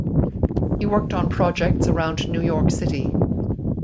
He worked on projects around New York City.